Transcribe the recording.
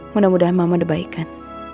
mudah mudahan mama dibaikan